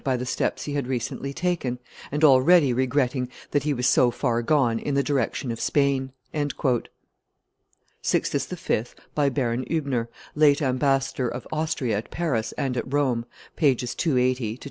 by the steps he had recently taken, and already regretting that he was so far gone in the direction of Spain." [Sixtus V, by Baron Hiibner, late ambassador of Austria at Paris and at Rome, t. ii. pp.